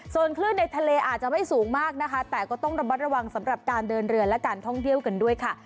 ส่วนคลื่นในทะเลอาจจะไม่สูงมากนะคะแต่ก็ต้องระมัดระวังสำหรับการเดินเรือและการท่องเที่ยวกันด้วยค่ะ